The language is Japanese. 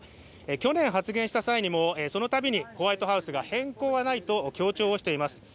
去年発言した際にも、そのたびにホワイトハウスが変更はないと強調をしています。